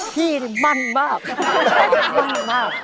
พี่มั่นมาก